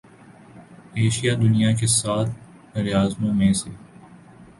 Asia دنیا کے سات براعظموں میں سے